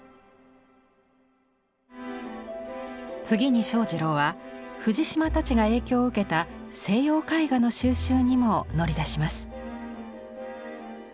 次に正二郎は藤島たちが影響を受けた西洋絵画の収集にも乗り出します。